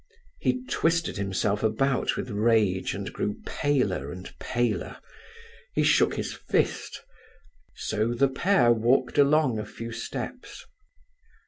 He twisted himself about with rage, and grew paler and paler; he shook his fist. So the pair walked along a few steps.